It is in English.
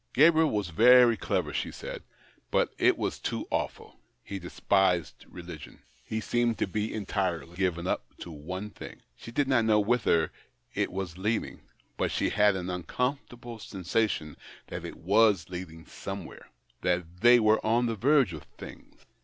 Gabriel was very clever, she said, Ijut it was too awful — he despised religion. He seemed to be entirely given up to one thing. 8he did not know whither it was leading, but she had an uncomfortable sensation that it was leading somewhere — that they were on the vero e of thina s.